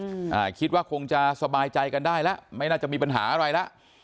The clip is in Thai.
อ่าคิดว่าคงจะสบายใจกันได้แล้วไม่น่าจะมีปัญหาอะไรแล้ว